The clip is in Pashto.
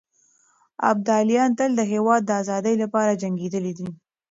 ابداليان تل د هېواد د ازادۍ لپاره جنګېدلي دي.